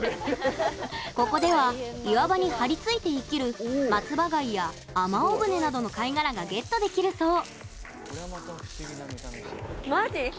ここでは岩場に張り付いて生きるマツバガイやアマオブネなどの貝殻がゲットできるそう。